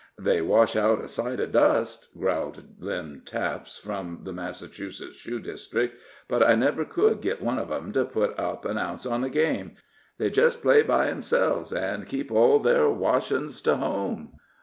"They wash out a sight of dust!" growled Lynn Taps, from the Massachusetts shoe district; "but I never could git one of 'em to put up an ounce on a game they jest play by 'emselves, an' keep all their washin's to home."